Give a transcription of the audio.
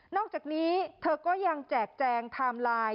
อกจากนี้เธอก็ยังแจกแจงไทม์ไลน์